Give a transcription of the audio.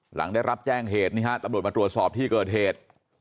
หลังได้รับแจ้งเหตุนี่ฮะตำรวจมาตรวจสอบที่เกิดเหตุ